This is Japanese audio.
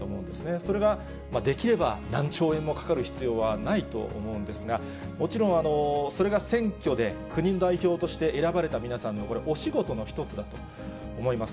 それができれば何兆円もかかる必要はないと思うんですが、もちろんそれが選挙で、国の代表として選ばれた皆さんのこれ、お仕事の一つだと思います。